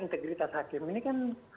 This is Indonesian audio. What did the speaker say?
integritas hakim ini kan